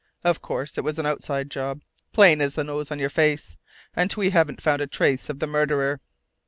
Of course it was an outside job plain as the nose on your face and we haven't found a trace of the murderer."